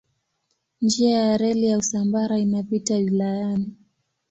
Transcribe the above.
Njia ya reli ya Usambara inapita wilayani.